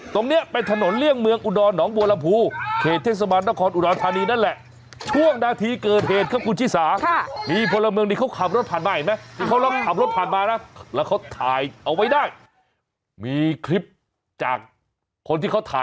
ตรงนี้เป็นถนนเลี่ยงเมืองอุดอหนองบัวละพูเขตเทศมาตรกรอุดอธานีนั่นแหละ